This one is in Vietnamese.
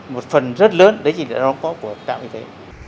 một phần rất lớn đấy chỉ là đó có của trạm y tế